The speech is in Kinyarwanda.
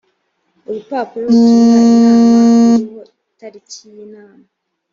urupapuro rutumira inama ruriho itariki y inama .